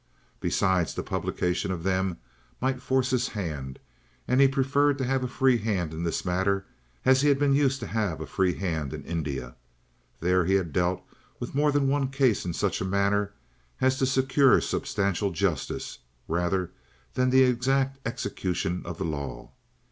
Besides the publication of them might force his hand, and he preferred to have a free hand in this matter as he had been used to have a free hand in India. There he had dealt with more than one case in such a manner as to secure substantial justice rather than the exact execution of the law.